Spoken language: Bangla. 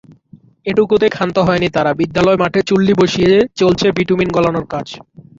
এটুকুতেই খান্ত হয়নি তারা, বিদ্যালয় মাঠে চুল্লি বসিয়ে চলছে বিটুমিন গলানোর কাজ।